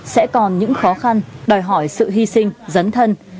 sẽ còn những khó khăn đòi hỏi sự hy sinh dấn thân